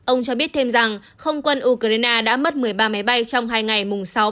ông cho biết thêm rằng không quân ukraine đã mất một mươi ba máy bay trong hai ngày mùng sáu và mùng bảy tháng ba